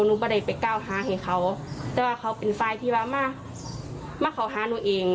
หนูไม่ได้ไปก้าวหาให้เขาแต่ว่าเขาเป็นฝ่ายที่ว่ามาเขาหาหนูเอง